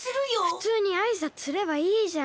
ふつうにあいさつすればいいじゃん。